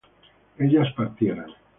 ellas partieran